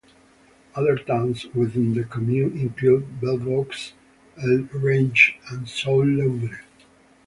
Other towns within the commune include Belvaux, Ehlerange, and Soleuvre.